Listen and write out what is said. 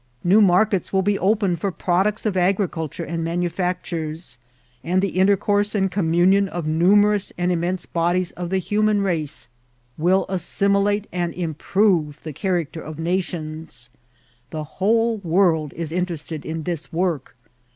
New markets will be opened for products of agrieulture aad manufiactures, and the intercourse and communion of numerous and immense bodies of the human race will assimilate and improve the character of nations. The whole world is interested in this work.